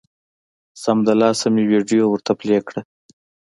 سمدلاسه مې ویډیو ورته پلې کړه